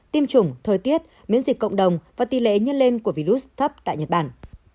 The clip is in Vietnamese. tiêm chủng thời tiết miễn dịch cộng đồng và tỷ lệ nhân lên của virus thấp tại nhật bản